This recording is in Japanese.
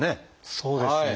そうですね。